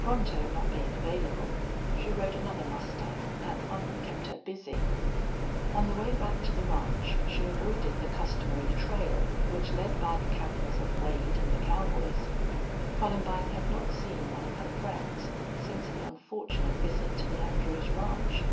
Pronto not being available, she rode another mustang and one that kept her busy. On the way back to the ranch she avoided the customary trail which led by the cabins of Wade and the cowboys. Columbine had not seen one of her friends since the unfortunate visit to the Andrews ranch.